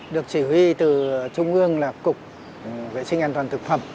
được chỉ huy từ trung ương là cục vệ sinh an toàn thực phẩm